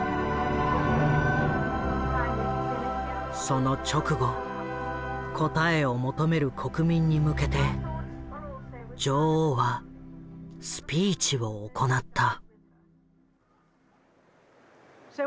その直後こたえを求める国民に向けて女王はスピーチを行った。